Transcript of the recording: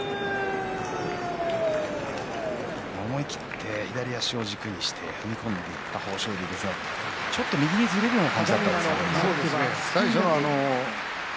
思い切って左足を軸にして踏み込んでいった豊昇龍でしたが右にずれるような感じでしたかね。